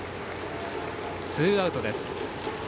ツーアウトです。